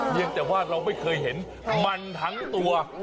ยังแต่ว่าเราไม่เคยเห็นมันทั้งตัว